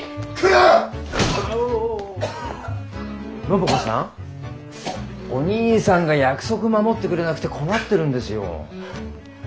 暢子さんお兄さんが約束守ってくれなくて困ってるんですよ。